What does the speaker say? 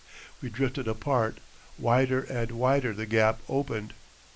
We drifted apart; wider and wider the gap opened.